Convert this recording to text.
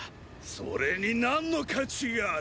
それになんの価値がある。